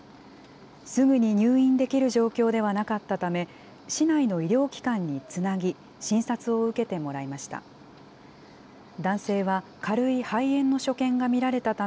すぐに入院できる状況ではなかったため、市内の医療機関につなぎ、診察を受けてもらいました。